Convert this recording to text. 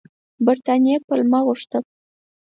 برټانیې پلمه غوښته.